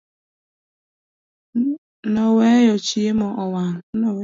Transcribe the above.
Noweyo chiemo owang'